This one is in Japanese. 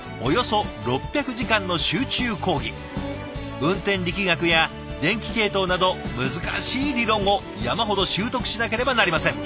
運転力学や電気系統など難しい理論を山ほど修得しなければなりません。